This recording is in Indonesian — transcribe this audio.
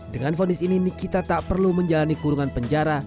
dengan fonis ini nikita tak perlu menjalani kurungan penjara